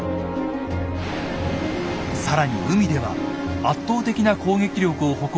更に海では圧倒的な攻撃力を誇る「開陽丸」が